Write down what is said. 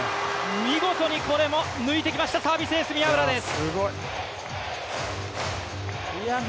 見事にこれも抜いてきました、サービスエース、宮浦です。